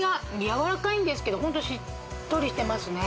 軟らかいんですけどホントしっとりしてますね。